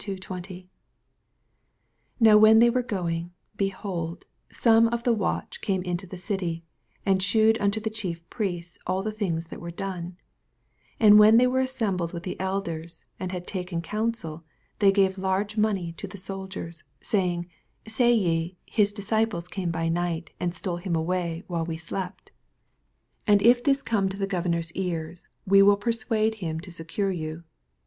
11 Now when they were going, be holdf some of the watch came into the eitnr, and shewed unto the Chief JPiiiBBts all the things tha* were done* J soldiers, 12 And when they were assembled with the elders, and had taken conn* sel, they gave large money unto tin 4UB XXPOSITOBT THOUGHTS. 18 Baying, Say ye, His disciples came by night, and stole him away while we slept. 14 And it this come to the gov ernor's ears, we will persuade him and secure yoa.